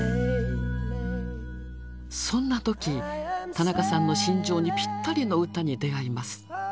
そんな時田中さんの心情にぴったりの歌に出会います。